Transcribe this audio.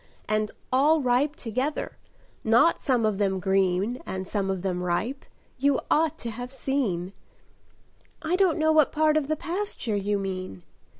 And all ripe together, not some of them green And some of them ripe! You ought to have seen!" "I don't know what part of the pasture you mean."